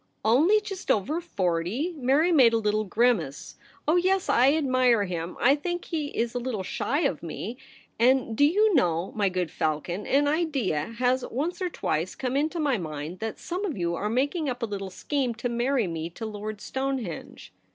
' Only just over forty !' Mary made a little grimace. ' Oh yes, I admire him ; I think he is a little shy of me ; and do you know, my good Falcon, an idea has once or twice 12 — 2 i8o THE REBEL ROSE. come Into my mind that some of you are making up a little scheme to marry me to Lord Stonehenge